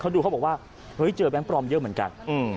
ดูเขาบอกว่าเฮ้ยเจอแบงค์ปลอมเยอะเหมือนกัน